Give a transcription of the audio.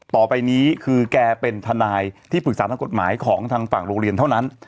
ต่อไปนี้คือแกเป็นทนายที่ปรึกษาทางกฎหมายของทางฝั่งโรงเรียนเท่านั้น